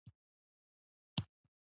زه هره ورځ تازه مېوه خورم.